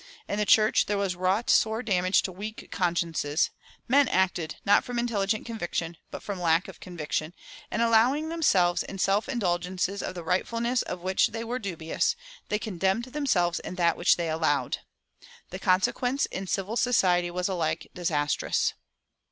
In the church there was wrought sore damage to weak consciences; men acted, not from intelligent conviction, but from lack of conviction, and allowing themselves in self indulgences of the rightfulness of which they were dubious, they "condemned themselves in that which they allowed." The consequence in civil society was alike disastrous.